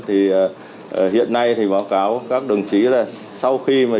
thì hiện nay thì báo cáo các đồng chí là sau khi mà